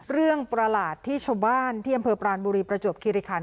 เรื่องประหลาดที่ชมบ้านที่อเมืองปรานบุรีประโจปคิริขัน